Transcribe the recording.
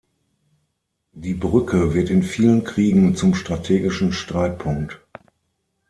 Die Brücke wird in vielen Kriegen zum strategischen Streitpunkt.